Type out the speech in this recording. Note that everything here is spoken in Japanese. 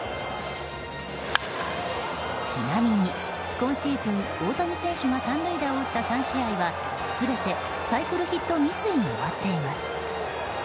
ちなみに今シーズン、大谷選手が三塁打を放った３試合は全てサイクルヒット未遂に終わっています。